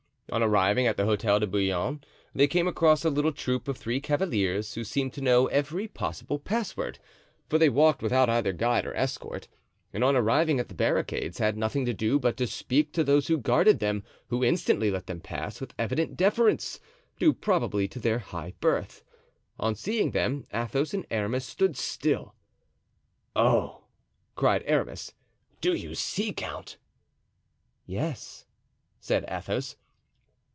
On arriving at the Hotel de Bouillon they came across a little troop of three cavaliers, who seemed to know every possible password; for they walked without either guide or escort, and on arriving at the barricades had nothing to do but to speak to those who guarded them, who instantly let them pass with evident deference, due probably to their high birth. On seeing them Athos and Aramis stood still. "Oh!" cried Aramis, "do you see, count?" "Yes," said Athos.